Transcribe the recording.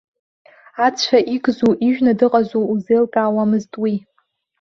Ацәа игзу ижәны дыҟазу узеилкаауамызт уи.